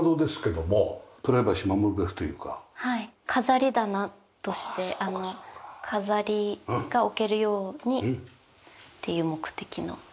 飾り棚として飾りが置けるようにっていう目的の。